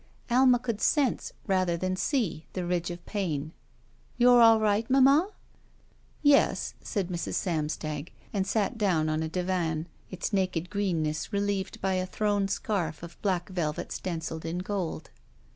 Alma could sense, rather than see, the ridge of pain. "You're all right, mamma?" "Yes," said Mrs. Samstag, and sat down on a 31 SHE WALKS IN BEAUTY divan, its naked greenness relieved by a thrown scarf of black velvet stenciled in gold.